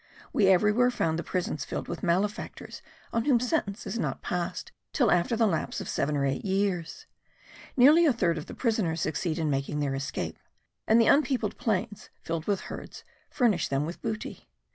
We everywhere found the prisons filled with malefactors on whom sentence is not passed till after the lapse of seven or eight years. Nearly a third of the prisoners succeed in making their escape; and the unpeopled plains, filled with herds, furnish them with booty.